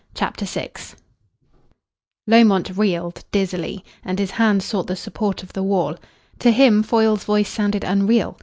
CHAPTER VI Lomont reeled dizzily, and his hand sought the support of the wall. To him Foyle's voice sounded unreal.